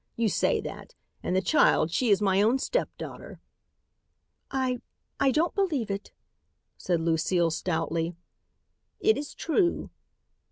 You say that. And the child, she is my own stepdaughter." "I I don't believe it," said Lucile stoutly. "It is true."